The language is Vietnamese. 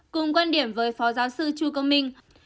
cùng quan điểm với phó giáo sư chu công minh